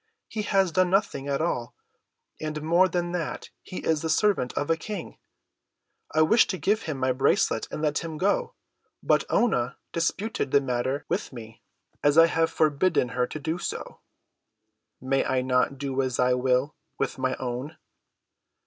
He has done nothing at all, and more than that he is the servant of a King. I wished to give him my bracelet and let him go. But Oonah disputed the matter with me, as I have forbidden her to do. May I not do as I will with my own?"